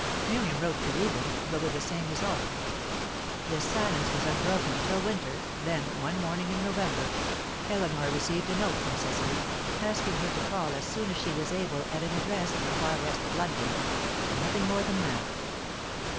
Miriam wrote to Reuben, but with the same result. This silence was unbroken till winter; then, one morning in November, Eleanor received a note from Cecily, asking her to call as soon as she was able at an address in the far west of London nothing more than that.